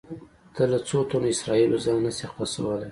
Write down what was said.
ته له څو تنو اسرایلو ځان نه شې خلاصولی.